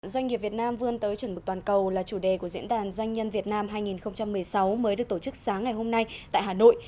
doanh nghiệp việt nam vươn tới chuẩn mực toàn cầu là chủ đề của diễn đàn doanh nhân việt nam hai nghìn một mươi sáu mới được tổ chức sáng ngày hôm nay tại hà nội